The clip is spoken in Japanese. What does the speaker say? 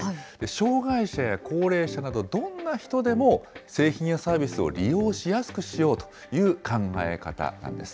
障害者や高齢者など、どんな人でも製品やサービスを利用しやすくしようという考え方なんです。